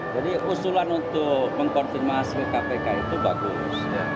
jadi usulan untuk mengkonfirmasi kpk itu bagus